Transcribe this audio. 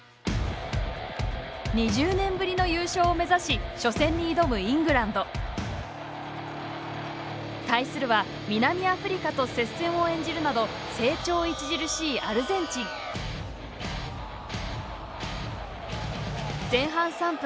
２０年ぶりの優勝を目指し初戦に挑むイングランド対するは南アフリカと接戦を演じるなど成長著しいアルゼンチン前半３分。